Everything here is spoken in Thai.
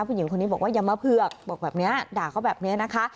ผู้หญิงคนนี้บอกว่าอย่ามาเผือกบอกแบบนี้ด่าเขาแบบนี้นะคะ